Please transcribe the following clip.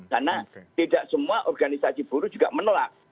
karena tidak semua organisasi buruh juga menolak